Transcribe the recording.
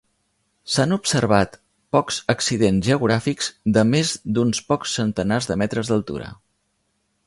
S'han observat pocs accidents geogràfics de més d'uns pocs centenars de metres d'altura.